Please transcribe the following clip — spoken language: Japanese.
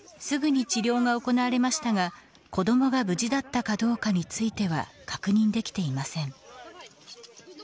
すぐに治療が行われましたが子供が無事だったかどうかについては確認できていません。